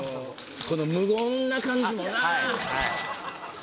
この無言な感じもな